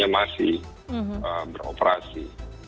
perusahaannya masih beroperasi